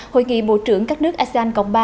hội nghị bộ trưởng các nước asean cộng ba